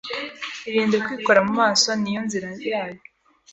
Irinde kwikora mu maso niyo nzira yayo